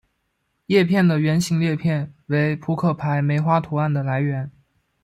叶片的圆形裂片为扑克牌梅花图案的来源。